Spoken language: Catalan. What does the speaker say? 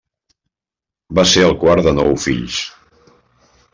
Va ser el quart de nou fills.